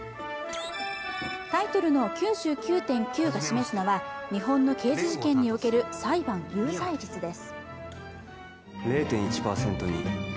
タイトルの「９９．９」が示すのは日本の刑事事件における裁判有罪率です。